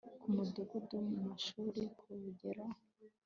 ku mudugudu, mu mashuri, ku rugerero